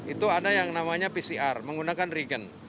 itu ada yang namanya pcr menggunakan regen